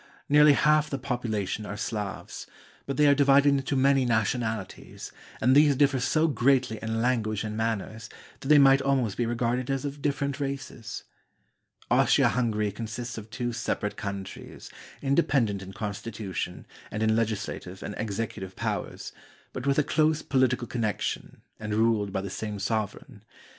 Nearly half the population are Slavs; but they are divided into many nationalities, and these differ so greatly in language and manners that they might almost be regarded as of different races. Austria Hungary consists of two separate countries, inde pendent in constitution, and in legislative and executive powers, but with a close political connection and ruled by the same sovereign.